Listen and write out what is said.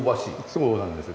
そうなんです